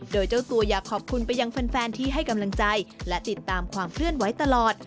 โดยเจ้าตัวอยากขอบคุณไปยังแฟนที่ให้กำลังใจและติดตามความเคลื่อนไหวตลอด